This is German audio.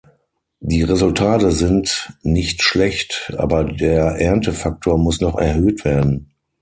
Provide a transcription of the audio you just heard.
Die Resultate sind nicht schlecht, aber der Erntefaktor muss noch erhöht werden.